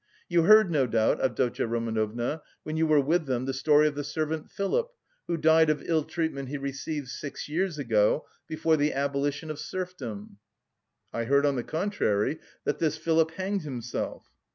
You heard, no doubt, Avdotya Romanovna, when you were with them the story of the servant Philip who died of ill treatment he received six years ago, before the abolition of serfdom." "I heard, on the contrary, that this Philip hanged himself."